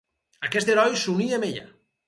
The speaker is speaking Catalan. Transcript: Aquest heroi s'uní amb ella.